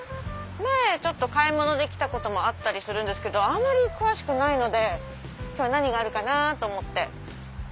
前ちょっと買い物で来たこともあったりするんですけどあまり詳しくないので何があるかな？と思って。